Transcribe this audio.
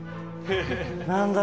何だ